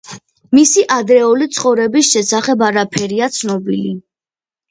მისი ადრეული ცხოვრების შესახებ არაფერია ცნობილი.